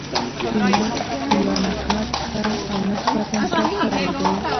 تیمور میانه قده او نسبتا چاغ سړی دی.